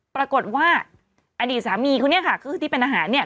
ปรากฏว่าอันนี้สามีคุณเนี่ยค่ะที่เป็นอาหารเนี่ย